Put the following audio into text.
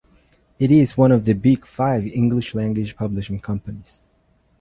It is one of the Big Five English-language publishing companies.